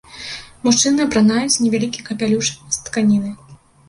Мужчыны апранаюць невялікі капялюш з тканіны.